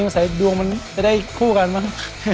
ใส่ดวงมันจะได้คู่กันมั้ง